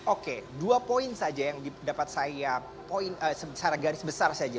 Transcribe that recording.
oke dua poin saja yang dapat saya poin secara garis besar saja